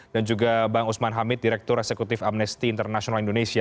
dan juga bang usman hamid direktur eksekutif amnesti internasional indonesia